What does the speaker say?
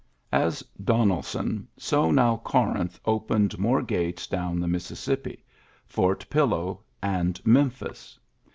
' As Donelson, so now Corinth dpened i more gates down the Mississippi — Fort ? Pillow and Memphis.